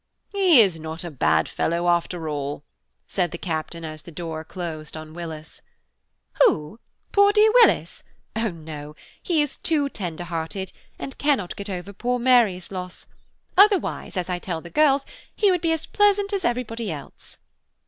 "He is not a bad fellow after all," said the Captain as the door closed on Willis. "Who? poor dear Willis? Oh no! he is too tender hearted, and cannot get over poor Mary's loss, otherwise, as I tell the girls, he would be as pleasant as everybody else."